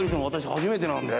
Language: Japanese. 初めてなんで。